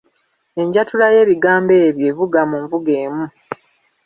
Enjatula y’ebigambo ebyo evuga mu nvuga emu.